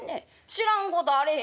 知らんことあれへんがな。